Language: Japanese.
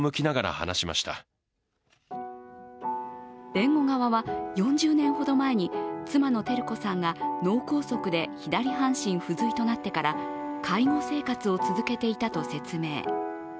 弁護側は４０年ほど前に妻の照子さんが脳梗塞で左半身不随となってから介護生活を続けていたと説明。